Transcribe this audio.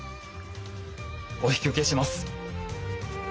お引き受けします。